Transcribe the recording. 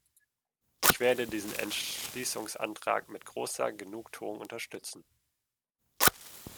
Ich werde diesen Entschließungsantrag mit großer Genugtuung unterstützen.